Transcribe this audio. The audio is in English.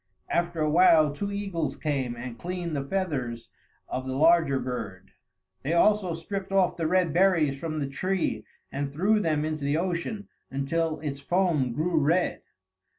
After a while two eagles came and cleaned the feathers of the larger bird. They also stripped off the red berries from the tree and threw them into the ocean until its foam grew red.